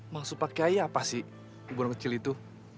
maksud pak kiai apa sih kuburan kecil itu